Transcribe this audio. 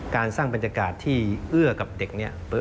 การสร้างบรรยากาศที่เอื้อกับเด็กนี้